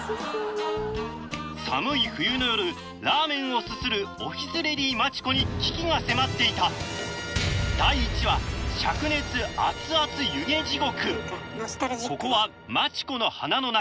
寒い冬の夜ラーメンをすするオフィスレディーマチコに危機が迫っていたここはマチコの鼻の中。